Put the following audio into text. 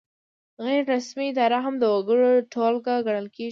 غیر رسمي اداره هم د وګړو ټولګه ګڼل کیږي.